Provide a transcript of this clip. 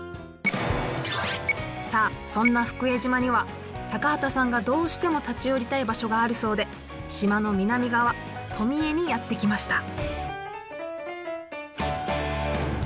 さあそんな福江島には高畑さんがどうしても立ち寄りたい場所があるそうで島の南側富江にやって来ました！